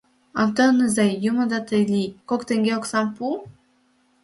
Онтон изай, юмо да тый лий, кок теҥге оксам пу.